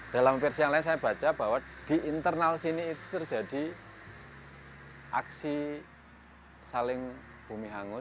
dalam versi yang lain saya baca bahwa di internal sini itu terjadi aksi saling bumi hangus